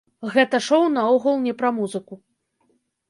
Гэта шоу наогул не пра музыку.